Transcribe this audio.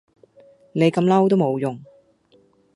你咁嬲都無用